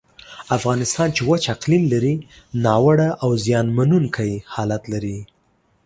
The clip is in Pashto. افغانستان چې وچ اقلیم لري، ناوړه او زیانمنونکی حالت لري.